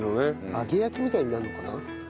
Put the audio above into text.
揚げ焼きみたいになるのかな？